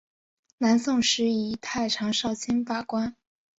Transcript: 南宋时以太常少卿罢官。